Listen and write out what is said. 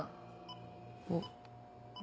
おっ。